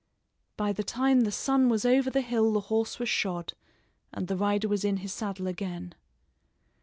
By the time the sun was over the hill the horse was shod, and the rider was in his saddle again.